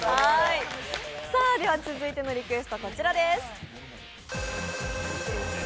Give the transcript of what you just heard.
続いてのリクエストはこちらです。